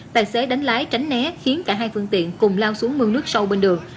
tài xế đánh lái tránh né khiến cả hai phương tiện cùng lao xuống mương nước sâu bên đường